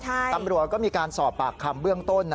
ตำรวจก็มีการสอบปากคำเบื้องต้น